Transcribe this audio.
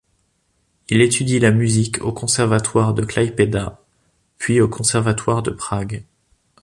Il étudie la musique au Conservatoire de Klaipėda puis au Conservatoire de Prague.